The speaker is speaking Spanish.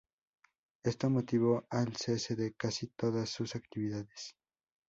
Esto motivó el cese de casi todas sus actividades.